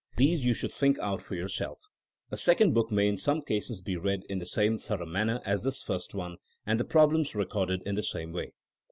These you should think out for yourself. A second book may in some cases be read in the same thorough manner as this first one, and the prob lems recorded in the same way.